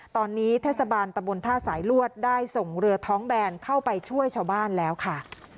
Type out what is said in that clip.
ตอนนี้เทศบาลตะบนท่าสายลวดได้ส่งเรือท้องแบนเข้าไปช่วยชาวบ้านแล้วค่ะ